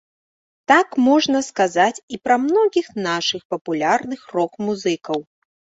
Так можна сказаць і пра многіх нашых папулярных рок-музыкаў.